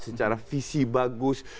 secara fisik bagus